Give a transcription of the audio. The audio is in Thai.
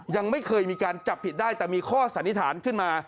ยังไม่เคยมีการจับผิดได้แต่มีข้อสันนิษฐานขึ้นมา